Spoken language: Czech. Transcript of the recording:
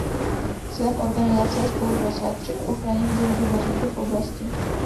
Cílem organizace je spolupracovat při ochraně biodiverzity v oblasti.